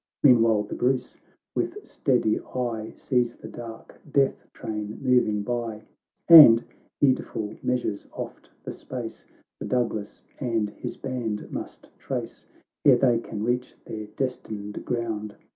— Meanwhile the Bruce, with steady eye, Sees the dark death train moving by, And heedful measures oft the space, The Douglas and his band must trace, Ere they can reach their destined ground.